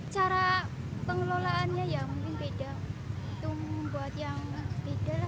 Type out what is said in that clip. cara pengelolaannya ya mungkin beda itu membuat yang beda lah